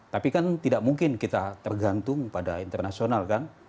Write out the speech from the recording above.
tapi kan tidak mungkin kita tergantung pada internasional kan